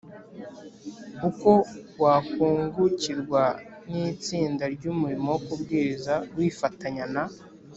Uko wakungukirwa n itsinda ry umurimo wo kubwiriza wifatanya na